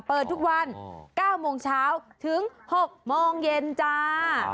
เปิดทุกวัน๙โมงเช้าถึง๖โมงเย็นจ้า